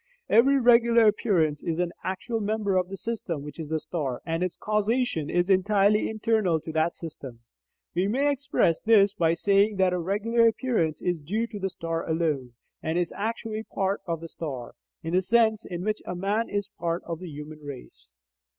Every regular appearance is an actual member of the system which is the star, and its causation is entirely internal to that system. We may express this by saying that a regular appearance is due to the star alone, and is actually part of the star, in the sense in which a man is part of the human race.